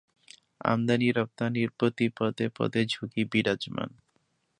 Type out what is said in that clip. আমদানি-রপ্তানির প্রতি পদে পদে ঝুঁকি বিরাজমান।